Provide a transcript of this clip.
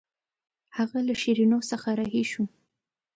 هغه له شیرینو څخه رهي شو.